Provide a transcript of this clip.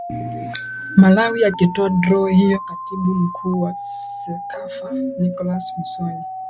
malawi akitoa draw hiyo katibu mkuu wa cecafa nicholas msonyi